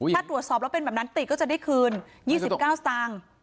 ถ้าตรวจสอบแล้วเป็นแบบนั้นติก็จะได้คืน๒๙สตางค์